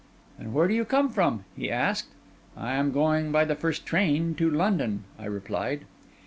'And where do you come from?' he asked. 'I am going by the first train to London,' I replied.